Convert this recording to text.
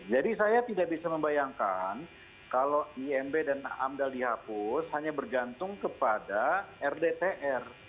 jadi saya tidak bisa membayangkan kalau imb dan amdal dihapus hanya bergantung kepada rdtr